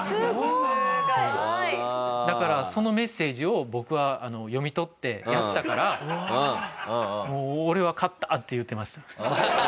だからそのメッセージを僕は読み取ってやったから俺は勝った！って言ってました。